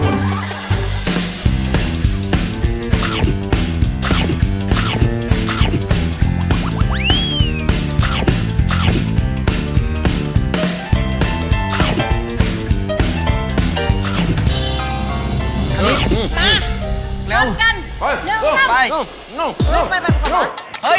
อันนี้อืมมาเริ่มกันเยอะกว่านี้ครับไปไปไปไปไป